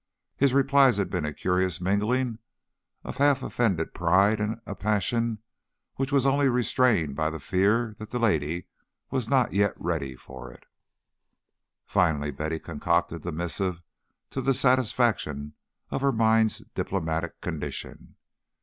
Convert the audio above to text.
His replies had been a curious mingling of half offended pride and a passion which was only restrained by the fear that the lady was not yet ready for it. Finally Betty concocted the missive to the satisfaction of her mind's diplomatic condition.